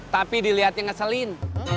tapi dilihatnya ngeselin